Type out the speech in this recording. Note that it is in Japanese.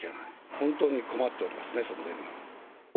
本当に困っておりますね、その点では。